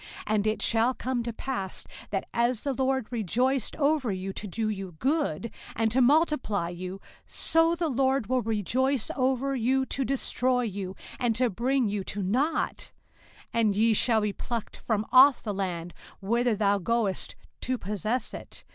05:028:063 And it shall come to pass, that as the LORD rejoiced over you to do you good, and to multiply you; so the LORD will rejoice over you to destroy you, and to bring you to nought; and ye shall be plucked from off the land whither thou goest to possess it.